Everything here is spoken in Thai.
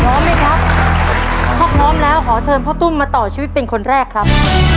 พร้อมไหมครับถ้าพร้อมแล้วขอเชิญพ่อตุ้มมาต่อชีวิตเป็นคนแรกครับ